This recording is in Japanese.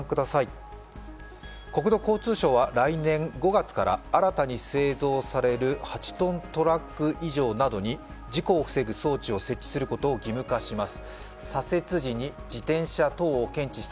国土交通省は来年５月から新たに製造される８ｔトラック以上などに事故を防ぐ装置をつけることを義務化します。